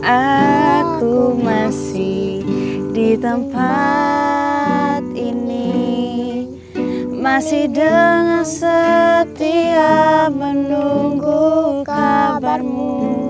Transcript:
aku masih di tempat ini masih dengan setia menunggu kabarmu